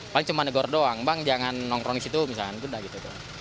paling cuma negor doang bang jangan nongkrong di situ misalnya udah gitu